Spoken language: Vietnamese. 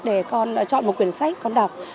để con chọn một cuốn sách con đọc